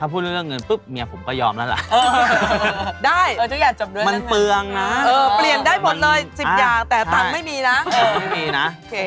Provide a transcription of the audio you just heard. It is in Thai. เปลี่ยนได้หมดเลย๑๐อย่างแต่ต่อไม่มีนะ